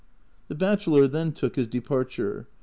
^ The bachelor then took his departure.